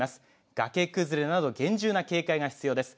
崖崩れなど厳重な警戒が必要です。